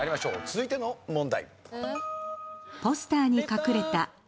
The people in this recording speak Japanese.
続いての問題。